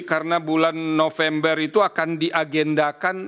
karena bulan november itu akan diagendakan